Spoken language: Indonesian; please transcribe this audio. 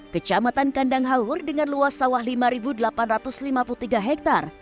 kecamatan kandang haur dengan luas sawah lima delapan ratus lima puluh tiga hektare